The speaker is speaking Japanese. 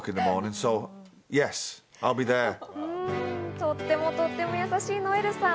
とってもとってもやさしいノエルさん。